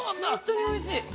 ◆本当においしい。